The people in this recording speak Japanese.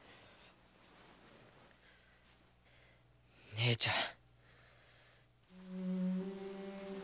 姉ちゃん。